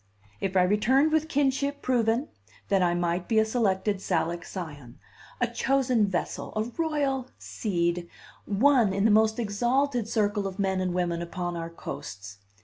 If I returned with Kinship proven, then I might be a Selected Salic Scion, a chosen vessel, a royal seed, one in the most exalted circle of men and women upon our coasts.